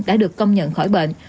đã được công nhận khỏi bệnh